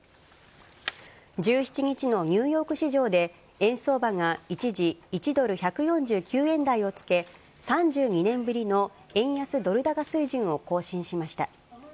１７日のニューヨーク市場で、円相場が一時、１ドル１４９円台をつけ、３２年ぶりの円安ドル高水準を更新しました。